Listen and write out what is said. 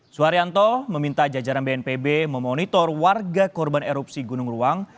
suharyanto meminta jajaran bnpb memonitor warga korban erupsi gunung luang